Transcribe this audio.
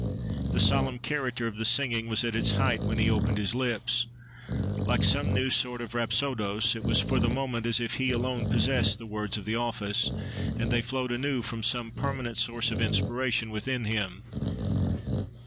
The solemn character of the singing was at its height when he opened his lips. Like some new sort of rhapsôdos, it was for the moment as if he alone possessed the words of the office, and they flowed anew from some permanent source of inspiration within him.